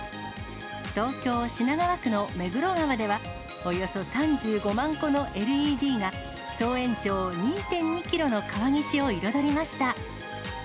東京・品川区の目黒川では、およそ３５万個のＬＥＤが、総延長２．２キロの川岸を彩りました。